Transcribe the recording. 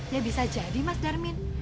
ya bisa jadi mas darmin